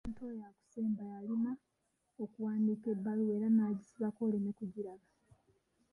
Omuntu oyo akusemba yalima okuwandiika ebbaluwa era n'agisibako oleme kugiraba.